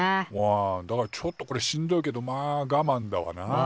ああだからちょっとこれしんどいけどまあがまんだわな。